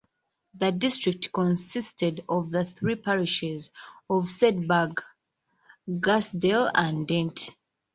The district consisted of the three parishes of Sedbergh, Garsdale and Dent.